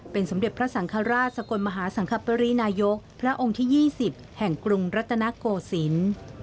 เป็นสมเด็จพระสังฆราชสกลมหาสังคปรินายกพระองค์ที่๒๐แห่งกรุงรัตนโกศิลป์